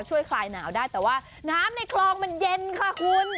คลายหนาวได้แต่ว่าน้ำในคลองมันเย็นค่ะคุณ